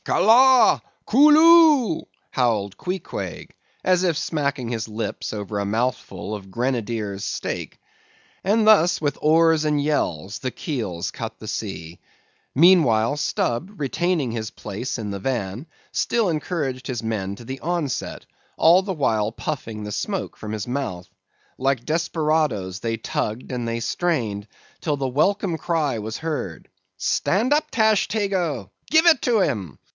"Ka la! Koo loo!" howled Queequeg, as if smacking his lips over a mouthful of Grenadier's steak. And thus with oars and yells the keels cut the sea. Meanwhile, Stubb retaining his place in the van, still encouraged his men to the onset, all the while puffing the smoke from his mouth. Like desperadoes they tugged and they strained, till the welcome cry was heard—"Stand up, Tashtego!—give it to him!"